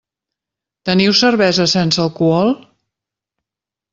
Teniu cervesa sense alcohol?